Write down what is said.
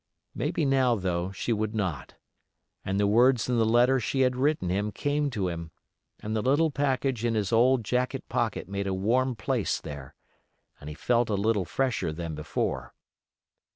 Maybe now though she would not; and the words in the letter she had written him came to him, and the little package in his old jacket pocket made a warm place there; and he felt a little fresher than before.